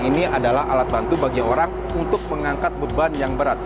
ini adalah alat bantu bagi orang untuk mengangkat beban yang berat